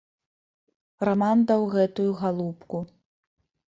Раман даў гэтую галубку.